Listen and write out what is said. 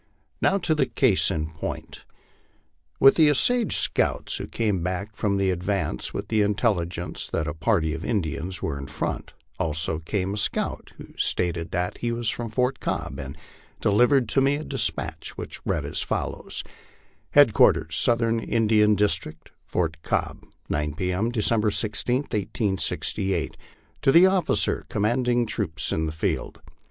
Now to the case in point : With the Osage scouts who came back from the advance with the intelli gence that a party of Indians were in front, also came a scout who stated that he was from Fort Cobb, and delivered to me a despatch, which read as follows : HEADQUARTERS SOUTHERN INDIAN DISTRICT, FORT COBB, 9 p. M. December 16, 1868. To the Officer, commanding troops in the Field.